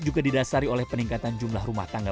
juga didasari oleh peningkatan jumlah rumah tangga